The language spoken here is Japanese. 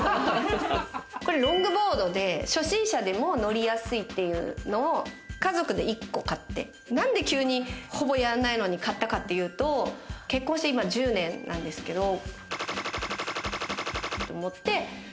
これはロングボードで、初心者でも乗りやすいっていうのを家族で１個買って、何で急にほぼやんないのに買ったかっていうと、結婚して今１０年なんですけどと思って。